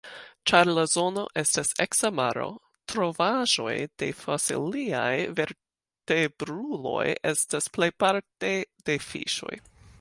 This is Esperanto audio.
Ĉar la zono estas eksa maro, trovaĵoj de fosiliaj vertebruloj estas plejparte de fiŝoj.